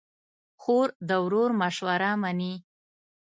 خور د ورور مشوره منې.